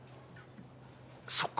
そっか。